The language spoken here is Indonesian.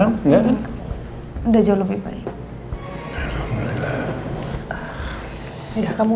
ya kamu temenin adit ke dalamnya ya